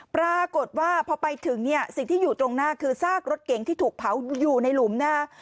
ปรากฏว่าพอไปถึงเนี่ยสิ่งที่อยู่ตรงหน้าคือซากรถเก๋งที่ถูกเผาอยู่ในหลุมนะฮะ